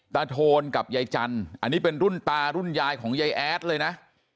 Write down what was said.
โทนกับยายจันทร์อันนี้เป็นรุ่นตารุ่นยายของยายแอดเลยนะ